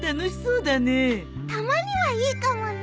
たまにはいいかもね。